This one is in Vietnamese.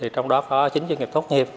trong đó có chín doanh nghiệp tốt nghiệp